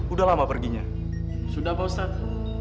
udah lama perginya sudah pak ustadz